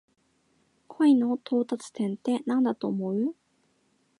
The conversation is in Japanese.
恋の到達点ってなんだと思う？